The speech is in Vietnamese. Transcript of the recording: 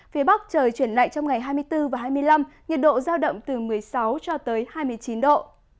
phía bắc trời chuyển lạnh trong ngày hai mươi bốn và hai mươi năm nhiệt độ giao động từ một mươi sáu cho tới hai mươi chín độ